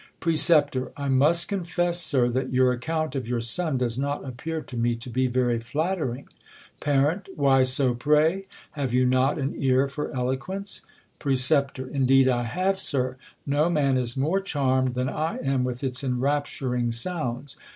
Precep. I must confess, Sir, that your account of your son does not appear to me to be very flattering. Par. Why so, pray ? have you not an ear for elo quence ? Precep. Indeed I have, Sir. No man is more charmed than I am with its enrapturing sounds.